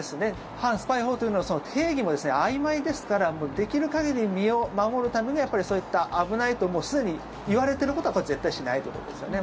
反スパイ法というのはその定義もあいまいですからできる限り身を守るためにはそういった、危ないとすでに言われていることは絶対にしないということですよね。